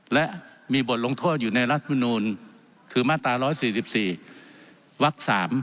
และมีบทลงโทษอยู่ในรัฐมนูลคือมาตรา๑๔๔วัก๓